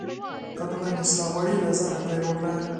که ټولنه اصلاح غواړې، له ځانه پیل وکړه.